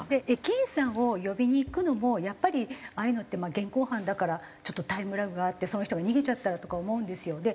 駅員さんを呼びに行くのもやっぱりああいうのって現行犯だからちょっとタイムラグがあってその人が逃げちゃったらとか思うんですよ。